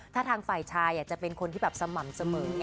ถ้าทางฝ่ายชายจะเป็นคนที่แบบสม่ำเสมอ